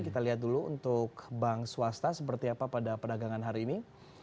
kita lihat dulu untuk bank swasta seperti apa pada perdagangan hari ini